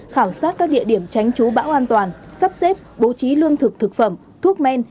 khảo sát các địa điểm tránh trú bão an toàn sắp xếp bố trí lương thực thực phẩm thuốc men